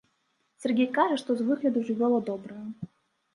Сяргей кажа, што з выгляду жывёла добрая.